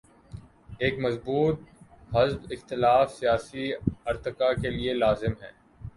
ایک مضبوط حزب اختلاف سیاسی ارتقا کے لیے لازم ہے۔